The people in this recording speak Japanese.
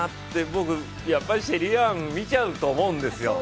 僕、やっぱりシェリーアン見ちゃうと思うんですよ。